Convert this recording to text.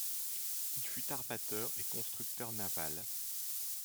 Il fut armateur et constructeur naval.